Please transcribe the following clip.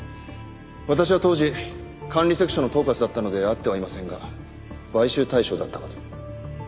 私は当時管理セクションの統括だったので会ってはいませんが買収対象だったかと。